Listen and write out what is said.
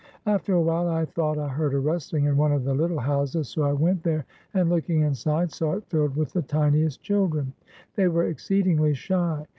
After a while I thought I heard a rustling in one of the Uttle houses, so I went there, and, looking inside, saw it filled with the tiniest children. They were exceedingly shy.